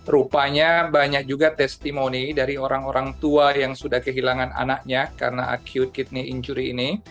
rupanya banyak juga testimoni dari orang orang tua yang sudah kehilangan anaknya karena acute kidney injury ini